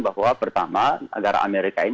bahwa pertama negara amerika ini